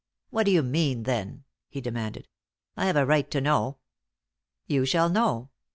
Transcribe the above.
"What do you mean, then?" he demanded. "I have a right to know." "You shall know.